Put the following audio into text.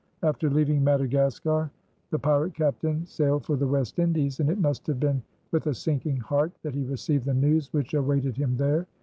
After leaving Madagascar the pirate captain sailed for the West Indies, and it must have been with a sinking heart that he received the news which awaited him there.